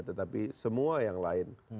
tetapi semua yang lain